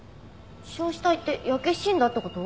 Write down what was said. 焼死体って焼け死んだって事？